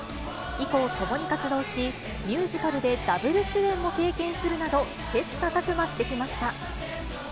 以降、共に活動し、ミュージカルでダブル主演も経験するなど、切さたく磨してきました。